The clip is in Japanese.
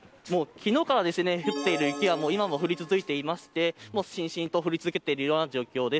昨日から降っている雪は今も降り続いていましてしんしんと降り続けている状況です。